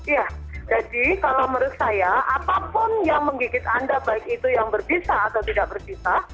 ya jadi kalau menurut saya apapun yang menggigit anda baik itu yang berbisa atau tidak berbisa